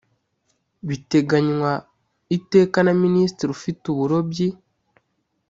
biteganywa iteka na minisitiri ufite uburobyi